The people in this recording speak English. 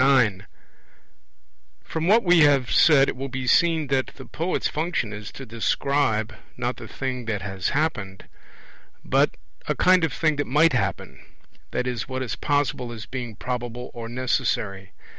9 From what we have said it will be seen that the poet's function is to describe, not the thing that has happened, but a kind of thing that might happen, i.e. what is possible as being probable or necessary.